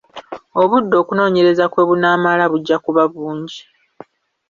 Obudde okunoonyereza kwe bunaamala bujja kuba bungi.